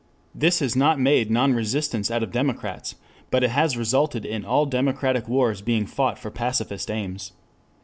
This has not made non resistants out of democrats, but it has resulted in all democratic wars being fought for pacifist aims.